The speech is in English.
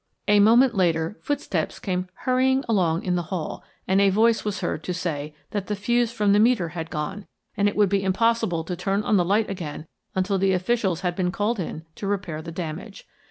A moment later, footsteps came hurrying along in the hall, and a voice was heard to say that the fuse from the meter had gone, and it would be impossible to turn on the light again until the officials had been called in to repair the damage.